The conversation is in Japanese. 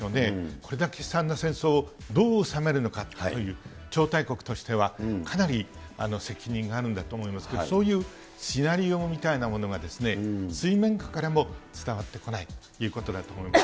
これだけ悲惨な戦争をどう収めるのかという、超大国としてはかなり責任があるんだと思いますけれども、そういうシナリオみたいなものが、水面下からも伝わってこないということだと思います。